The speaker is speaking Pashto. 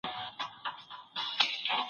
ایا ته د قلمي نسخو په ارزښت پوهېږې؟